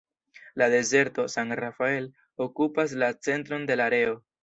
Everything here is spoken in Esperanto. La dezerto "San Rafael" okupas la centron de la areo.